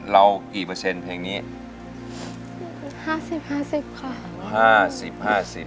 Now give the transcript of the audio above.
เรากี่เปอร์เซ็นต์เพลงนี้ห้าสิบห้าสิบค่ะห้าสิบห้าสิบ